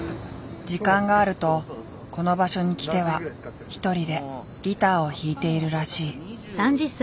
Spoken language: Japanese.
時間があるとこの場所に来ては一人でギターを弾いているらしい。